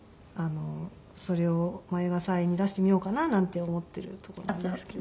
それを映画祭に出してみようかななんて思っているところなんですけど。